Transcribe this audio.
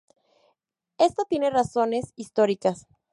Esto tiene razones históricas.